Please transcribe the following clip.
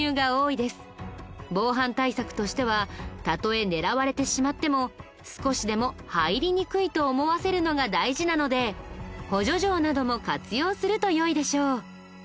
防犯対策としてはたとえ狙われてしまっても少しでも入りにくいと思わせるのが大事なので補助錠なども活用すると良いでしょう。